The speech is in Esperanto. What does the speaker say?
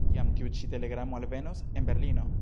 Kiam tiu ĉi telegramo alvenos en Berlino?